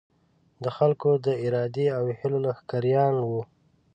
د خلکو د ارادې او هیلو لښکریان وو.